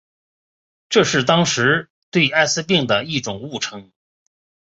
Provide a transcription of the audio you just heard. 这是当时对艾滋病的一种误称。